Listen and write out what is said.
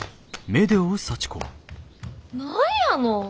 何やの。